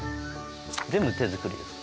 全部手作りですか？